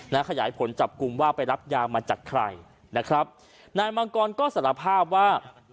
ขยายผลจับกลุ่มว่าไปรับยามาจากใครนะครับนายมังกรก็สารภาพว่า